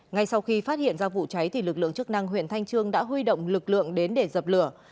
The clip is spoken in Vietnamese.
ngay sau khi phát hiện ra vụ cháy lực lượng chức năng huyện thanh trương đã huy động lực lượng đến để dập lửa